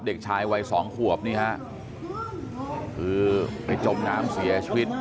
เด็กชายวัยสองขวบนี่ฮะคือไปจมน้ำเสียชีวิต